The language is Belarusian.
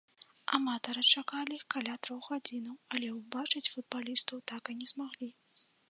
Аматары чакалі іх каля трох гадзінаў, але ўбачыць футбалістаў так і не змаглі.